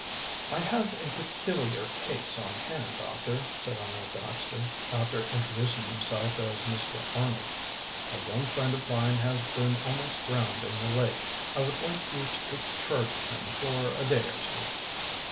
"I have a peculiar case on hand, doctor," said Arnold Baxter, after introducing himself as Mr. Arnold. "A young friend of mine has been almost drowned in the lake. I would like you to take charge of him for a day or two."